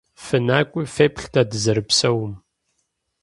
ФынакӀуи феплъ дэ дызэрыпсэум.